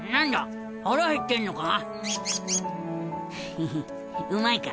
ヘヘッうまいか？